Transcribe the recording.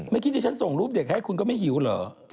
เมื่อกี้ที่ฉันส่งรูปเด็กให้คุณก็ไม่หิวเหรอ